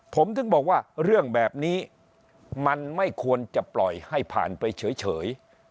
ผมถึงบอกว่าเรื่องแบบนี้มันไม่ควรจะปล่อยให้ผ่านไปเฉย